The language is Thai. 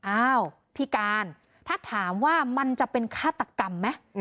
อ้าวพี่การถ้าถามว่ามันจะเป็นฆาตกรรมไหม